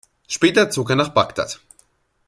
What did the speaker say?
Später zog er nach Bagdad.